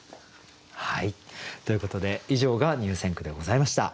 ということで以上が入選句でございました。